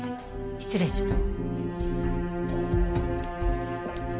失礼します